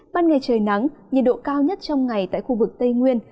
ban ngày trời nắng nhiệt độ cao nhất trong ngày tại khu vực tây nguyên